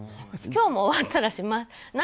今日も終わったらします。